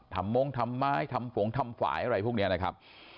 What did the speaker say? มงทำไมทำฝงทำฝ่ายอะไรพวกนี้นะครับ